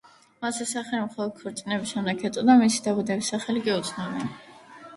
მას ეს სახელი მხოლოდ ქორწინების შემდეგ ეწოდა, მისი დაბადების სახელი კი უცნობია.